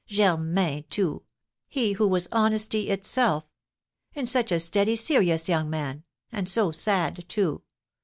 Germain, too! He who was honesty itself! And such a steady, serious young man; and so sad, too!